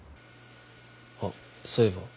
あっそういえば。